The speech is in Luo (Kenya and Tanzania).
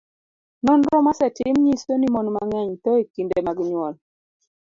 nonro mosetim nyiso ni mon mang'eny tho e kinde mag nyuol.